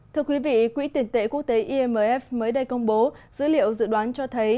thưa quý vị quỹ tiền tệ quốc tế imf mới đây công bố dữ liệu dự đoán cho thấy